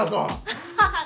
ハハハッ！